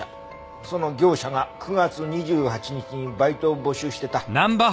その業者が９月２８日にバイトを募集してた。